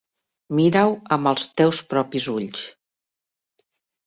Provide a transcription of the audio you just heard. Mira-ho amb els teus propis ulls.